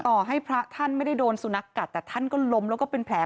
ต่อให้พระท่านไม่ได้โดนสุนัขกัดแต่ท่านก็ล้มแล้วก็เป็นแผล